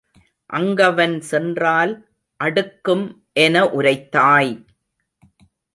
அங்கவன் சென்றால் அடுக்கும் எனஉரைத்தாய்;